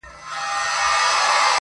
• په دومره سپینو کي عجیبه انتخاب کوي.